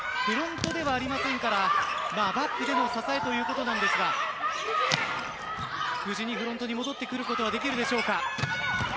フロントではありませんからバックでの支えということなんですが無事にフロントに戻ってくることはできるでしょうか。